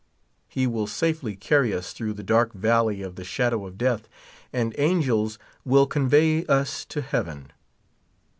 He will safely carr}^ us through the dark valley of the shadow of death, and angels will convey us to heaven.